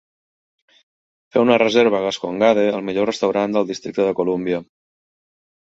Fer una reserva a Gasconade al millor restaurant del Districte de Colúmbia